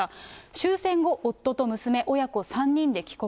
終戦後、夫と娘、親子３人で帰国。